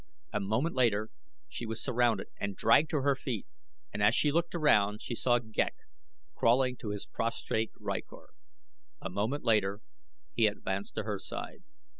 A moment later she was surrounded and dragged to her feet and as she looked around she saw Ghek crawling to his prostrate rykor. A moment later he advanced to her side.